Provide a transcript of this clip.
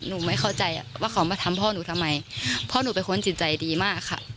ไม่เข้าใจอ่ะว่าเขามาทำพ่อหนูทำไมพ่อหนูเป็นคนจิตใจดีมากค่ะ